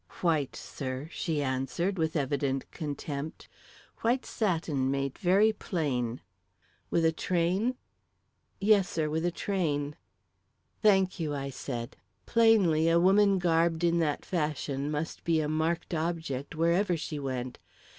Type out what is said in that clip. "White, sir," she answered, with evident contempt. "White satin made very plain." "With a train?" "Yes, sir, with a train." "Thank you," I said. Plainly, a woman garbed in that fashion must be a marked object, wherever she went.